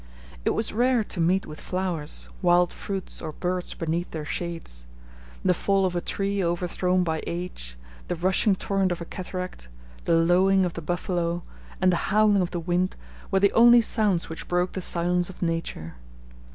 It was rare to meet with flowers, wild fruits, or birds beneath their shades. The fall of a tree overthrown by age, the rushing torrent of a cataract, the lowing of the buffalo, and the howling of the wind were the only sounds which broke the silence of nature.